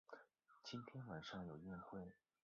今天晚上有宴会